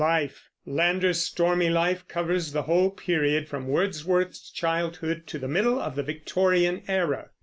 LIFE. Lander's stormy life covers the whole period from Wordsworth's childhood to the middle of the Victorian Era.